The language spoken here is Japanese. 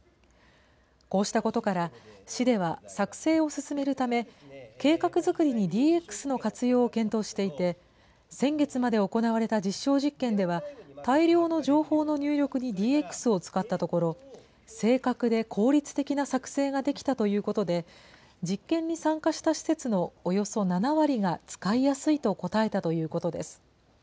こうしたことから、市では作成を進めるため、計画作りにＤＸの活用を検討していて、先月まで行われた実証実験では、大量の情報の入力にＤＸを使ったところ、正確で効率的な作成ができたということで、実験に参加した施設のおよそ７割が、使いやすいと答えたということです。